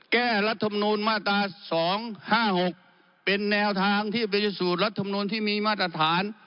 แก้รัฐธรรมนุมมาตรา๒๕๖เป็นแนวทางที่เป็นสูตรรัฐธรรมนุมที่มีมาตรฐาน